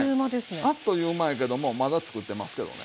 これねあっという間やけどもまだつくってますけどね。